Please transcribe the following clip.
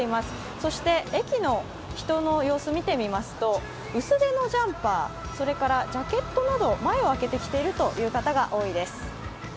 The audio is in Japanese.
そして駅の人の様子を見てみますと、薄手のジャンパー、それからジャケットなど前を開けて着ている方が多いです。